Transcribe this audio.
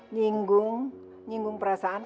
nyinggung nyinggung perasaan